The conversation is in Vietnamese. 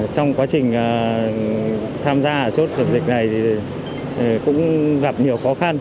trong quá trình tham gia chốt kiểm dịch này cũng gặp nhiều khó khăn